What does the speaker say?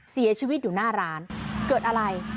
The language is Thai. เสียชีวิตอยู่หน้าร้านเกิดอะไร